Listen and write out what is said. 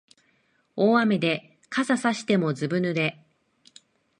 大雨で傘さしてもずぶ濡れ